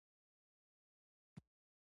د غنم دانه د څه لپاره وکاروم؟